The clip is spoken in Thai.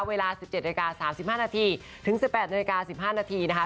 เวลา๑๗นาที๓๕นาทีถึง๑๘นาฬิกา๑๕นาทีนะคะ